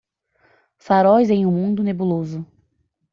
Faróis em um mundo nebuloso.